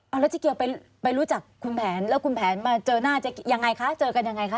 เอาแล้วเจ๊เกียวไปรู้จักคุณแผนแล้วคุณแผนมาเจอหน้าเจ๊ยังไงคะเจอกันยังไงคะ